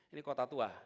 ini kota tua